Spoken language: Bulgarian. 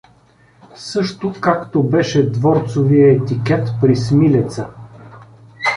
Също, както беше дворцовия етикет при Смилеца.